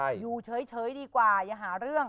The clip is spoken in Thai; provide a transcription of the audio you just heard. อยู่เฉยดีกว่าอย่าหาเรื่อง